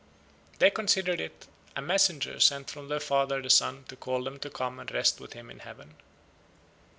They considered it a messenger sent from their father the Sun to call them to come and rest with him in heaven.